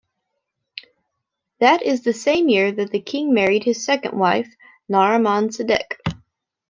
That is the same year that the king married his second wife Narriman Sadek.